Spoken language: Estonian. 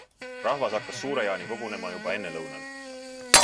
Rahvas hakkas Suure-Jaani kogunema juba ennelõunal.